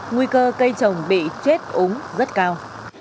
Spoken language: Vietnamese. nguy cơ cây trồng bị chết ống rất cao